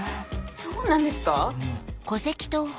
そうなんですか？